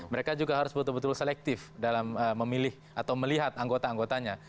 mereka juga harus betul betul selektif dalam memilih atau melihat anggota anggotanya